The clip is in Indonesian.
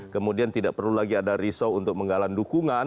kemudian tidak perlu lagi ada risau untuk menggalan dukungan